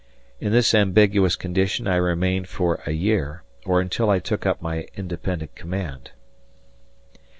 In this ambiguous condition I remained for a year, or until I took up my independent command.